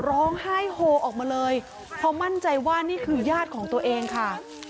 ร้องไห้โฮออกมาเลยเพราะมั่นใจว่านี่คือญาติของตัวเองค่ะ